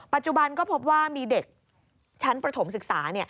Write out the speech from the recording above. ปัจจุบันก็พบว่ามีเด็กชั้นประถมศึกษา